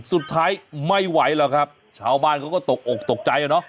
สุดท้ายไม่ไหวหรอกครับชาวบ้านเขาก็ตกอกตกใจอ่ะเนอะ